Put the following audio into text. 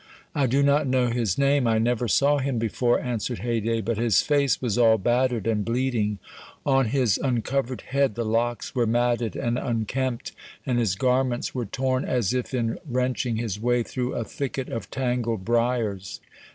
"I do not know his name; I never saw him before," answered Haydée; "but his face was all battered and bleeding; on his uncovered head the locks were matted and unkempt, and his garments were torn as if in wrenching his way through a thicket of tangled briers."